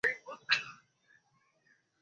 চুরিই তো হয়েছে, তাই না?